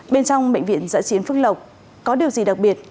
bên trong bệnh viện giã chiến phước lộc có điều gì đặc biệt